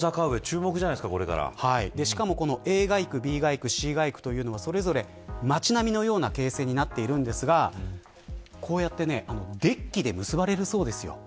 しかも、Ａ街区Ｂ街区、Ｃ街区というのはそれぞれ街並みのような形成になっているんですがこうやってデッキで結ばれるそうですよ。